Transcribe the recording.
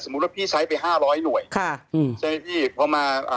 สมมุติว่าพี่ใช้ไป๕๐๐หน่วยใช่ไหมพี่